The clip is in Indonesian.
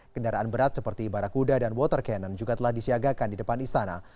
kendaraan berat seperti barakuda dan water cannon juga telah disiagakan di depan istana